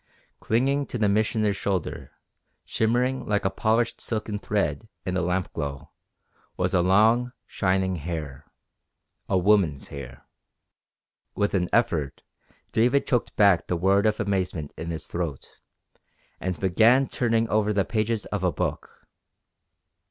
Clinging to the Missioner's shoulder, shimmering like a polished silken thread in the lampglow, was a long, shining hair a woman's hair. With an effort David choked back the word of amazement in his throat, and began turning over the pages of a book.